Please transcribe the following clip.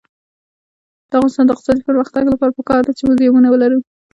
د افغانستان د اقتصادي پرمختګ لپاره پکار ده چې موزیمونه ولرو.